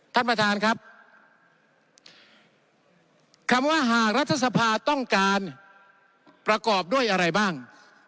ท่านประธานครับคำว่าหากรัฐสภาต้องการประกอบด้วยอะไรบ้าง